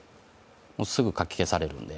すぐかき消されるので。